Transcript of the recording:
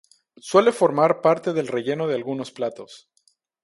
Suele formar parte del relleno de algunos platos.